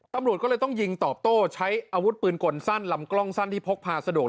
ตำรวจก็เลยต้องยิงตอบโต้ใช้อาวุธปืนกลสั้นลำกล้องสั้นที่พกพาสะดวก